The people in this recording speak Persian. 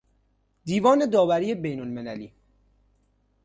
دیوان داوری بین المللی